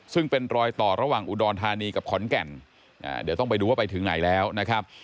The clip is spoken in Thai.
ซึ่งเป็นรอยต่อระหว่างอุดรธานีกับขอนแก่นเดี๋ยวต้องไปดูว่าไปถึงไหนแล้วนะครับ